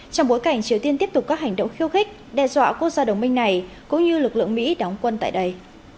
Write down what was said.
trong bối cảnh triều tiên tiếp tục các hành động khiêu khích đe dọa quốc gia đồng minh này cũng như lực lượng mỹ đóng quân tại đây